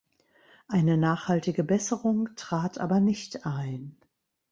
Eine nachhaltige Besserung trat aber nicht ein.